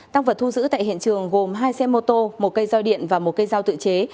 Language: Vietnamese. tăng vật thu giữ tại hiện trường gồm hai xe mô tô một cây roi điện và một cây dao tự chế